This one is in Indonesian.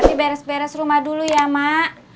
ini beres beres rumah dulu ya mak